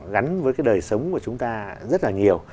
gắn với cái đời sống của chúng ta rất là nhiều